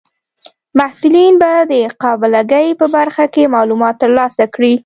محصلین به د قابله ګۍ په برخه کې معلومات ترلاسه کړي.